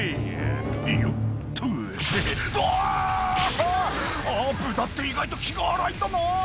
あぁ豚って意外と気が荒いんだな！」